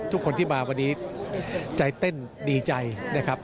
ทุกคนที่มาวันนี้ใจเต้นดีใจนะครับ